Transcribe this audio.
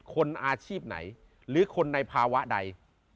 คนอาชีพไหนหรือคนในภาวะใด